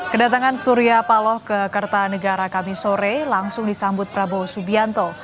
kedatangan surya paloh ke kertanegara kami sore langsung disambut prabowo subianto